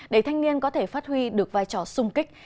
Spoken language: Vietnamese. để thanh niên có thể phát huy được vai trò sung kích